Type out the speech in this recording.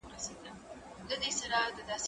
زه هره ورځ لاس پرېولم؟!